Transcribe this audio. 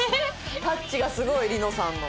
タッチがすごい璃乃さんの。